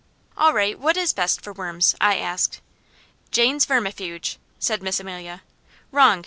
"All right! What is best for worms?" I asked. "Jayne's vermifuge," said Miss Amelia. "Wrong!"